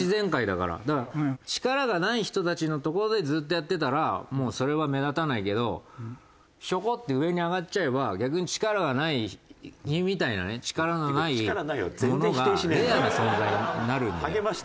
だから力がない人たちのとこでずっとやってたらもうそれは目立たないけどヒョコって上に上がっちゃえば逆に力がない君みたいなね力のない者がレアな存在になるんだよ。